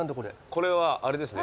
これはあれですね